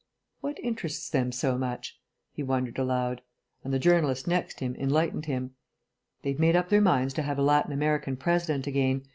"What interests them so much?" he wondered aloud, and the journalist next him enlightened him. "They've made up their minds to have a Latin American President again.